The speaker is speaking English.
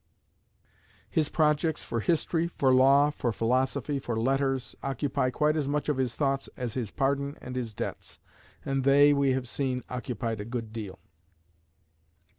His projects for history, for law, for philosophy, for letters, occupy quite as much of his thoughts as his pardon and his debts; and they, we have seen, occupied a good deal.